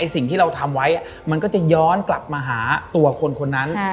สิ่งที่เราทำไว้มันก็จะย้อนกลับมาหาตัวคนคนนั้น